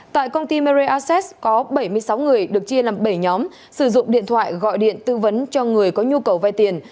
tại công ty mer aces có bảy mươi sáu người được chia làm bảy nhóm sử dụng điện thoại gọi điện tư vấn cho người có nhu cầu vay tiền